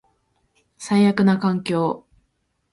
最悪な環境